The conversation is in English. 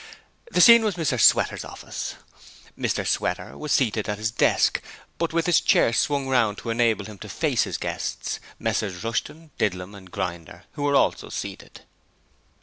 The scene was Mr Sweater's office. Mr Sweater was seated at his desk, but with his chair swung round to enable him to face his guests Messrs Rushton, Didlum, and Grinder, who were also seated.